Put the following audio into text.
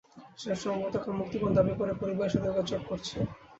সে সম্ভবত এখন মুক্তিপণ দাবি করে পরিবারের সাথে যোগাযোগ করছে।